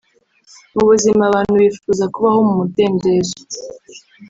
Mu buzima abantu bifuza kubaho mu mudendezo